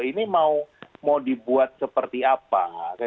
ini mau dibuat seperti apa